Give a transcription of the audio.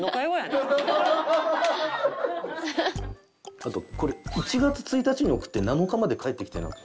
「あとこれ１月１日に送って７日まで返ってきてなくて」